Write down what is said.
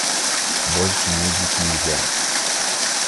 Больше медлить нельзя.